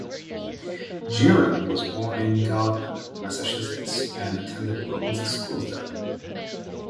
Gearan was born in Gardner, Massachusetts and attended public schools there.